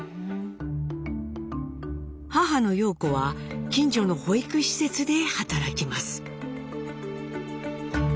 母の様子は近所の保育施設で働きます。